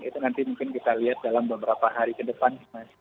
itu nanti mungkin kita lihat dalam beberapa hari ke depan